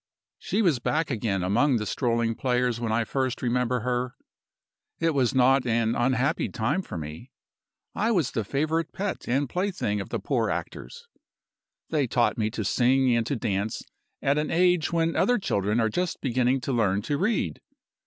"She was back again among the strolling players when I first remember her. It was not an unhappy time for me. I was the favorite pet and plaything of the poor actors. They taught me to sing and to dance at an age when other children are just beginning to learn to read.